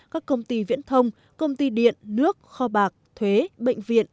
các công ty viễn thông công ty điện nước kho bạc thuế bệnh viện